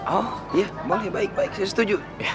oh iya boleh baik baik saya setuju